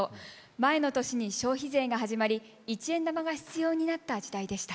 前の年に消費税が始まり一円玉が必要になった時代でした。